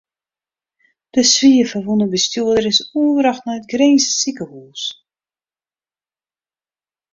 De swier ferwûne bestjoerder is oerbrocht nei it Grinzer sikehús.